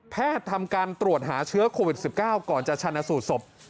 ทำการตรวจหาเชื้อโควิด๑๙ก่อนจะชนะสูตรศพ